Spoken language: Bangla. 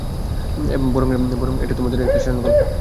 বরং এটা তোমাদেরই একটা সাজান গল্প।